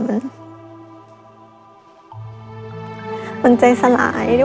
มันใจสลายด้วย